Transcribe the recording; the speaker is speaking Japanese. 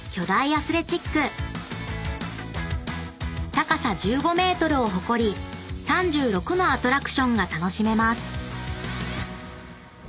［高さ１５ｍを誇り３６のアトラクションが楽しめます］